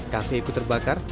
kafe ikut terbakar